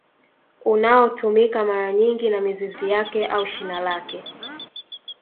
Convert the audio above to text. Unaotumika mara nyingi na mizizi yake au shina lake